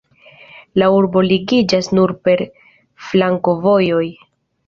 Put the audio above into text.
La urbo ligiĝas nur per flankovojoj.